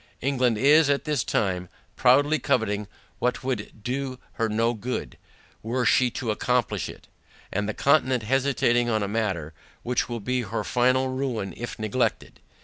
England is, at this time, proudly coveting what would do her no good, were she to accomplish it; and the Continent hesitating on a matter, which will be her final ruin if neglected.